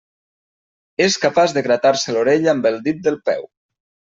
És capaç de gratar-se l'orella amb el dit del peu.